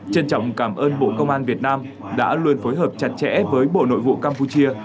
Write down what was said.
trân trọng cảm ơn bộ công an việt nam đã luôn phối hợp chặt chẽ với bộ nội vụ campuchia